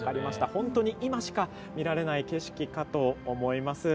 本当に今しか見られない景色かと思います。